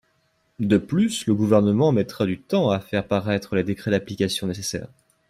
De plus, le Gouvernement mettra du temps à faire paraître les décrets d’application nécessaires.